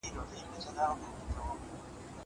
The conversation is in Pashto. زه اوس درسونه اورم!!